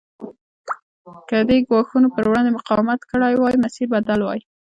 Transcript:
که دې ګواښونو پر وړاندې مقاومت کړی وای مسیر بدل وای.